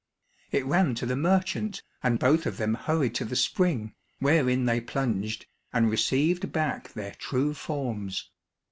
It ran to the merchant, and both of them hurried to the spring, wherein they plunged, and received back their true forms.